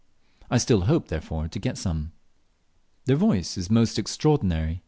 I still hoped, therefore, to get some. Their voice is most extraordinary.